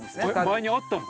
前にあったの？